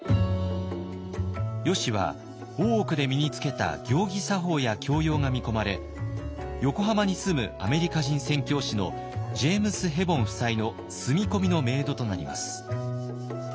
よしは大奥で身につけた行儀作法や教養が見込まれ横浜に住むアメリカ人宣教師のジェームス・ヘボン夫妻の住み込みのメイドとなります。